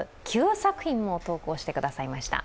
９作品も投稿してくださいました。